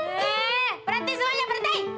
eh berhenti semuanya berhenti